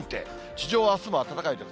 地上はあすも暖かいです。